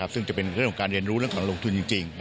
ซึ่งจะเป็นเรื่องของการเรียนรู้เรื่องของลงทุนจริง